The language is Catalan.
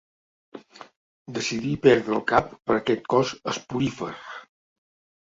Decidí perdre el cap per aquest cos esporífer.